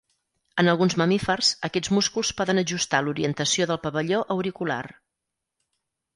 En alguns mamífers aquests músculs poden ajustar l'orientació del pavelló auricular.